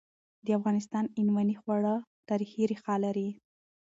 د افغانستان عنعنوي خواړه تاریخي ريښه لري.